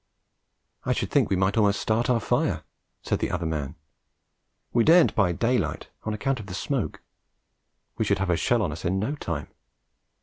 'I should think we might almost start our fire,' said the other man. 'We daren't by daylight, on account of the smoke; we should have a shell on us in no time.